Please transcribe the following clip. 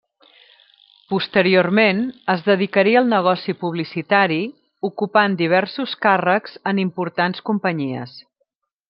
Posteriorment, es dedicaria al negoci publicitari, ocupant diversos càrrecs en importants companyies.